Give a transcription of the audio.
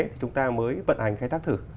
thì chúng ta mới vận hành khai thác thử